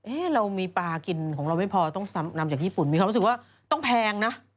เรามีปลากินของเราไม่พอต้องนำจากญี่ปุ่นมีความรู้สึกว่าต้องแพงนะ